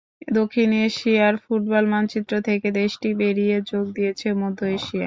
দক্ষিণ এশিয়ার ফুটবল মানচিত্র থেকে দেশটি বেরিয়ে যোগ দিয়েছে মধ্য এশিয়ায়।